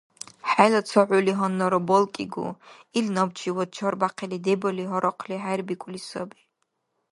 ХӀела ца хӀули гьаннара балкӀигу. Ил набчибад чарбяхъили, дебали гьарахъли хӀербикӀули саби.